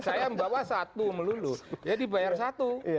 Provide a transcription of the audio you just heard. saya membawa satu melulu ya dibayar satu